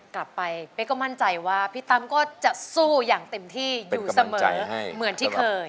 กลับไปเป๊กก็มั่นใจว่าพี่ตั้มก็จะสู้อย่างเต็มที่อยู่เสมอเหมือนที่เคย